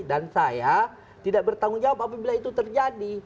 dan saya tidak bertanggung jawab apabila itu terjadi